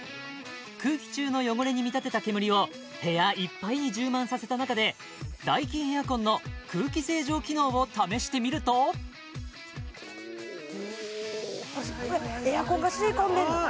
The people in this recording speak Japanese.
空気中の汚れに見立てた煙を部屋いっぱいに充満させた中でダイキンエアコンの空気清浄機能を試してみるとエアコンが吸い込んでんの？